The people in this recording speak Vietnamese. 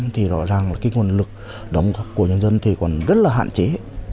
thì rõ ràng là nguồn lực của nhân dân còn rất là hạn chế